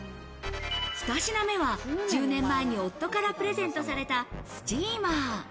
２品目は１０年前に夫からプレゼントされたスチーマー。